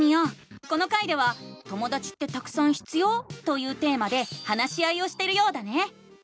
この回では「ともだちってたくさん必要？」というテーマで話し合いをしてるようだね！